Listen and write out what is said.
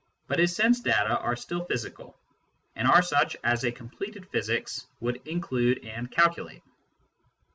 But his sense data are still physical, and are such as a completed physics would include and calculate.